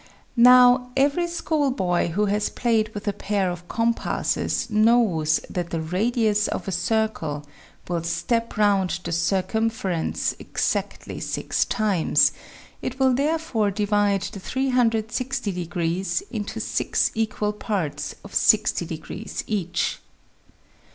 Now every schoolboy who has played with a pair of com passes knows that the radius of a circle will " step " round the circumference exactly six times ; it will therefore divide the 360 into six equal parts of 60 each.